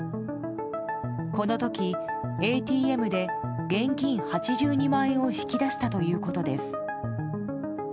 この時、ＡＴＭで現金８２万円を引き出したということです。